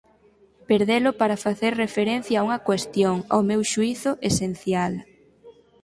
Perdelo para facer referencia a unha cuestión, ao meu xuízo, esencial.